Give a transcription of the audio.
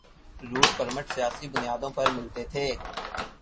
Route permit سیاسی بنیادوں پہ ملتے تھے۔